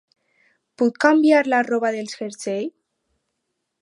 Puc canviar la roba del jersei?